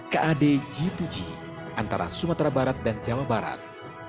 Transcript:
kad g dua g antara sumatera barat dan jawa barat